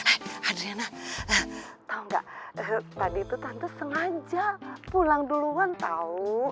hei adriana tau gak tadi tuh tante sengaja pulang duluan tau